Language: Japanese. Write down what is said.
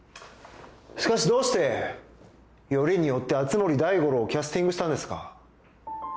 しかしどうしてよりによって熱護大五郎をキャスティングしたんですか？